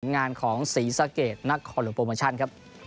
งานของศรีสะเกดนักคอนหลวงโปรโมชั่นครับ